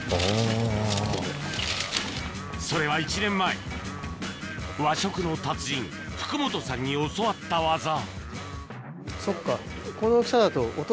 それは１年前和食の達人福本さんに教わった技そっか。